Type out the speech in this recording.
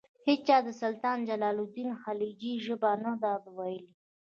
هیچا د سلطان جلال الدین خلجي ژبه نه ده ویلي.